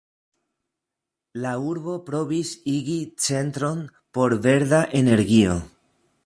La urbo provis igi centron por verda energio.